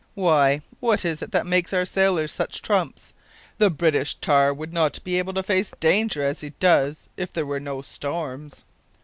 Why, what is it that makes our sailors such trumps? The British tar would not be able to face danger as he does if there were no storms."